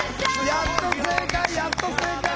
やっと正解やっと正解。